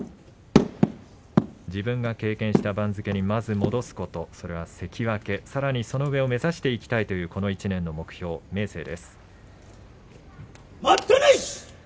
自分が経験した番付にまず戻すこと、それは関脇さらにその上を目指していきたいというこの１年の目標、明生です。